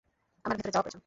আমার ভেতরে যাওয়া প্রয়োজন।